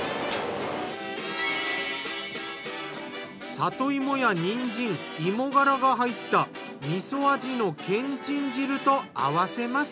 里芋やにんじん芋がらが入った味噌味のけんちん汁とあわせます。